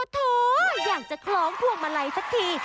โถอยากจะคล้องพวงมาลัยสักที